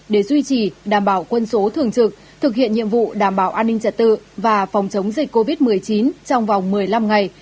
để duy trì đảm bảo quân số thường trực thực hiện nhiệm vụ đảm bảo an ninh trật tự và phòng chống dịch covid một mươi chín trong vòng một mươi năm ngày